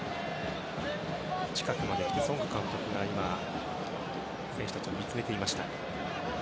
近くまで出て、ソング監督が選手たちを見つめていました。